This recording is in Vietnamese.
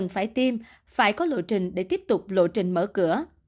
phải tiêm phải có lộ trình để tiếp tục lộ trình mở cửa